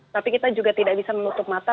tapi kita juga tidak bisa menutup mata